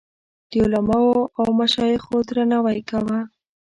د علماوو او مشایخو درناوی کاوه.